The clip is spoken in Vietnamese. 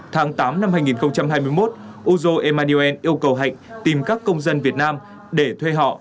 tháng tám năm hai nghìn hai mươi một uzo emaniel yêu cầu hạnh tìm các công dân việt nam để thuê họ